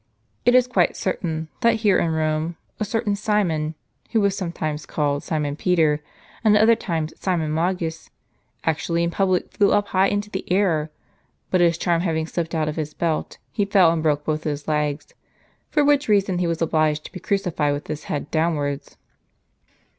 It is quite certain, that here in Rome, a certain Simon, who was sometimes called Simon Peter, and at other times Simon Magus, actually in public flew up high into the air ; but his charm having slipped out of his belt, he fell and broke both his legs ; for which reason he was obliged to be crucified with his head downwards."